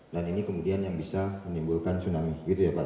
dan ini kemudian yang bisa menimbulkan tsunami gitu ya pak